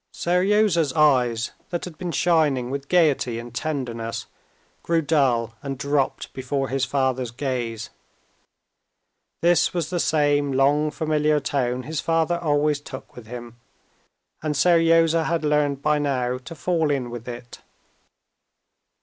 Seryozha's eyes, that had been shining with gaiety and tenderness, grew dull and dropped before his father's gaze. This was the same long familiar tone his father always took with him, and Seryozha had learned by now to fall in with it.